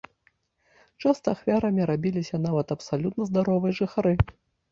Часта ахвярамі рабіліся нават абсалютна здаровыя жыхары.